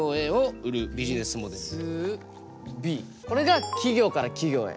これが企業から企業へ。